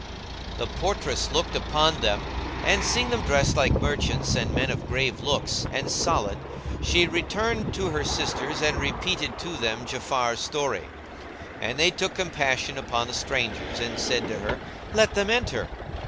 "[FN#174] The portress looked upon them and seeing them dressed like merchants and men of grave looks and solid, she returned to her sisters and repeated to them Ja'afar's story; and they took compassion upon the strangers and said to her, "Let them enter."